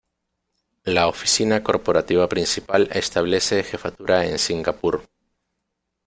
La oficina corporativa principal establece jefatura en Singapur.